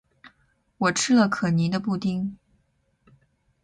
我吃了可妮的布丁